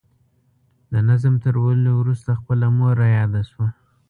د نظم تر ویلو وروسته خپله مور مې را یاده شوه.